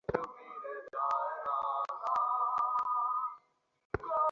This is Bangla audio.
মতিউর রহমান সত্যিই সাহসী।